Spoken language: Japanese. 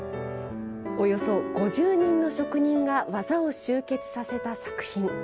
およそ５０人の職人が技を集結させた作品。